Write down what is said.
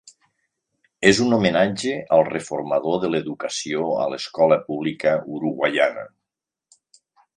És un homenatge al reformador de l'educació a l'escola pública uruguaiana.